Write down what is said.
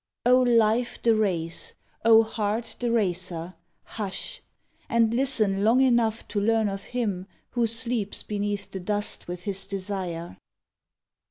O life the race! O heart the racer! Hush! And listen long enough to learn of him Who sleeps beneath the dust with his desire.